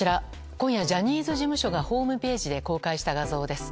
今夜、ジャニーズ事務所がホームページで公開した画像です。